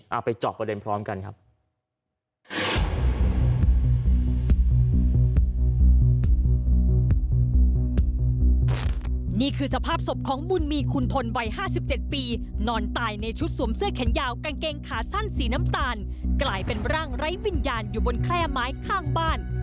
เอาไปจอกประเด็นพร้อมกันครับ